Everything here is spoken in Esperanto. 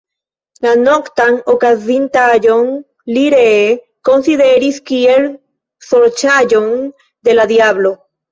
La noktan okazintaĵon li ree konsideris kiel sorĉaĵon de la diablo.